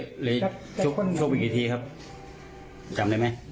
หรือชกอีกกี่ทีครับจำได้ไหม